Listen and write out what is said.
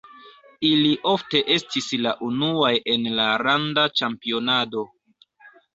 Ili ofte estis la unuaj en la landa ĉampionado.